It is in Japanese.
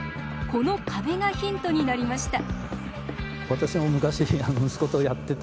この壁がヒントになりました。